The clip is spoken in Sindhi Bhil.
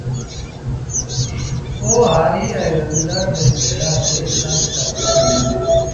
پوهآريٚ ائيٚݩ زميݩدآر ٻئي ڀيڙآ ويه هسآب ڪتآب ڪريݩ دآ